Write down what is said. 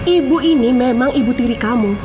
ibu ini memang ibu tiri kamu